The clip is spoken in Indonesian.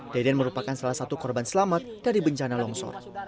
deden merupakan salah satu korban selamat dari bencana longsor